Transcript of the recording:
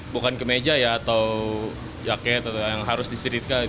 bukan ke meja atau jaket yang harus diseritkan